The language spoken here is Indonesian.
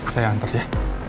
saya antar ya